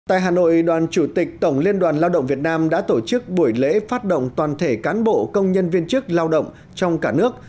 tại hà nội đoàn chủ tịch tổng liên đoàn lao động việt nam đã tổ chức buổi lễ phát động toàn thể cán bộ công nhân viên chức lao động trong cả nước